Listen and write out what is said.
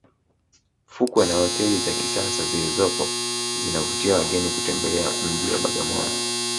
fukwe na hoteli za kisasa zilizopo zinavutia wageni kutembelea mji wa bagamoyo